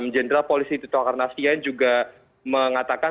jenderal polisi tito karnavian juga mengatakan